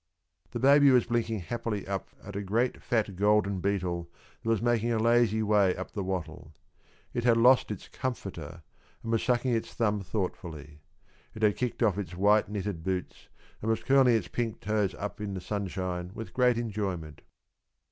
The baby was blinking happily up at a great fat golden beetle that was making a lazy way up the wattle. It had lost its "comforter" and was sucking its thumb thoughtfully. It had kicked off its white knitted boots, and was curling its pink toes up in the sunshine with great enjoyment.